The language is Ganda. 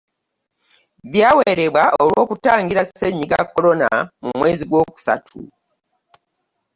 Byawerebwa olw'okutangira Ssennyiga Corona mu mwezi gwakusatu